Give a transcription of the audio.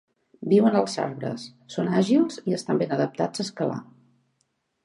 Viuen als arbres, són àgils i estan ben adaptats a escalar.